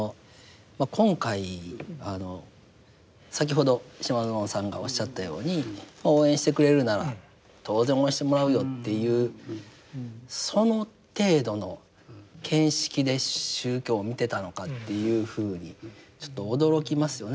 今回先ほど島薗さんがおっしゃったように応援してくれるなら当然応援してもらうよっていうその程度の見識で宗教を見てたのかっていうふうにちょっと驚きますよね。